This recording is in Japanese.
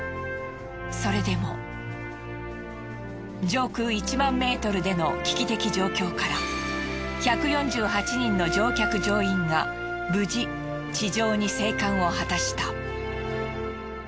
それでも上空１万ｍでの危機的状況から１４８人の乗客乗員が無事地上に生還を果たした。